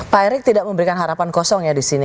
pak erick tidak memberikan harapan kosong ya di sini